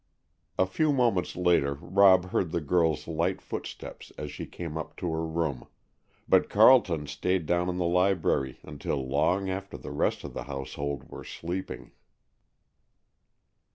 A few moments later Rob heard the girl's light footsteps as she came up to her room, but Carleton stayed down in the library until long after all the rest of the household were sleeping.